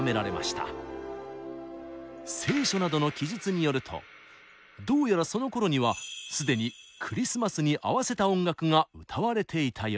「聖書」などの記述によるとどうやらそのころには既にクリスマスに合わせた音楽が歌われていたようです。